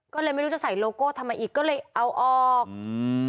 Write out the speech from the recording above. ก็เลยไม่รู้จะใส่โลโก้ทำไมอีกก็เลยเอาออกอืม